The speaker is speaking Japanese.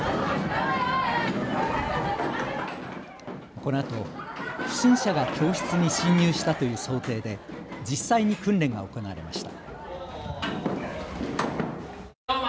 このあと不審者が教室に侵入したという想定で実際に訓練が行われました。